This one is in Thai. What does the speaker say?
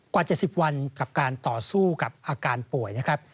กว่า๗๐วันกับการต่อสู้กับอาการป่วยนะครับ